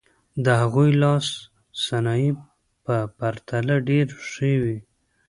د هغوی لاسي صنایع په پرتله ډېرې ښې وې.